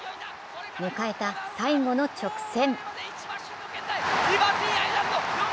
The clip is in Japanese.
迎えた最後の直線。